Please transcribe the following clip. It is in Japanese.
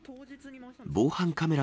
防犯カメラ